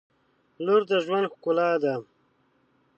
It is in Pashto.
• لور د ژوند ښکلا ده.